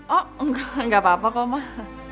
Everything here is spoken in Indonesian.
oh enggak enggak apa apa kok mah